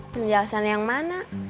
penjelasan yang mana